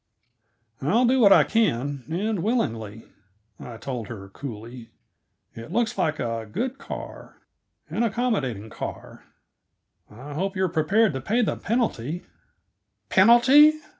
"I'll do what I can, and willingly," I told her coolly. "It looks like a good car an accommodating car. I hope you are prepared to pay the penalty " "Penalty?"